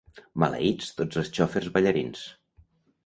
Maleïts tots els xofers ballarins!